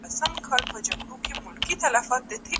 نه قاضي نه زولانه وي نه مو وېره وي له چانه